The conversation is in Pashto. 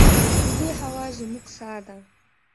د دې هوا زموږ ساه ده؟